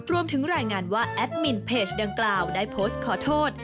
รวมถึงรายงานว่าแอดมินเพจดังกล่าวได้โพสต์ขอโทษ